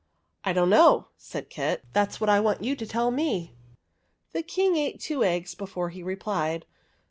" I don't know," said Kit. '' That 's what I want you to tell me." The King ate two eggs before he replied.